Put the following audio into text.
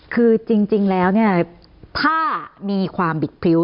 คือจริงแล้วถ้ามีความบิดพิว